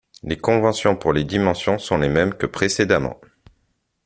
Les conventions pour les dimensions sont les mêmes que précédemment.